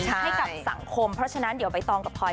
ให้กับสังคมเพราะฉะนั้นเดี๋ยวใบตองกับพลอย